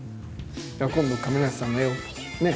今度亀梨さんの絵をね